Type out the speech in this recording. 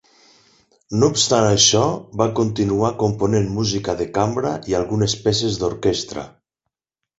No obstant això, va continuar component música de cambra i algunes peces d'orquestra.